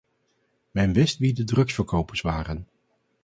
Men wist wie de drugsverkopers waren.